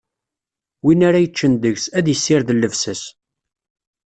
Win ara yeččen deg-s, ad issired llebsa-s.